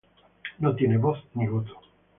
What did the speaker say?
No tienen voz ni voto.